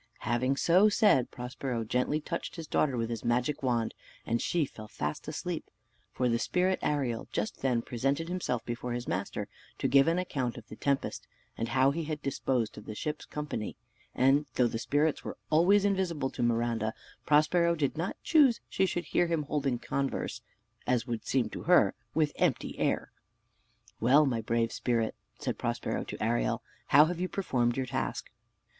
Having so said, Prospero gently touched his daughter with his magic wand, and she fell fast asleep; for the spirit Ariel just then presented himself before his master, to give an account of the tempest, and how he had disposed of the ship's company, and though the spirits were always invisible to Miranda, Prospero did not choose she should hear him holding converse (as would seem to her) with the empty air. "Well, my brave spirit," said Prospero to Ariel, "how have you performed your task?"